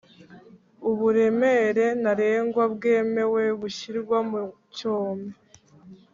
uburemere ntarengwa bwemewe bushyirwa mu cyome